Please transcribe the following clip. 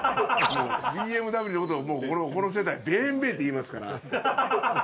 ＢＭＷのことこの世代ベンベーって言いますから。